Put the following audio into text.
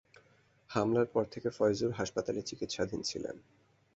হামলার পর থেকে ফয়জুর হাসপাতালে চিকিৎসাধীন ছিলেন।